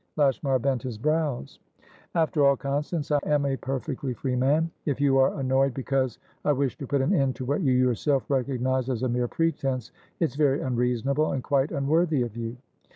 Lashmar bent his brows. "After all, Constance, I am a perfectly free man. If you are annoyed because I wish to put an end to what you yourself recognise as a mere pretence, it's very unreasonable, and quite unworthy of you."